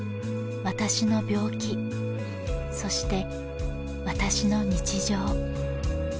私の病気そして私の日常